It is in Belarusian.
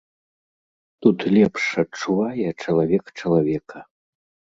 Тут лепш адчувае чалавек чалавека.